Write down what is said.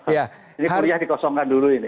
ini kuryah dikosongkan dulu ini